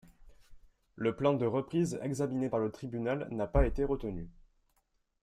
Le plan de reprise examiné par le tribunal n'a pas été retenu.